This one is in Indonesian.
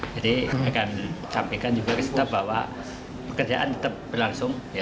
jadi akan sampaikan juga ke setempat bahwa pekerjaan tetap berlangsung